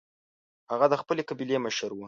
هغه د خپلې قبیلې مشر و.